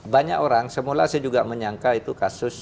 banyak orang semula saya juga menyangka itu kasus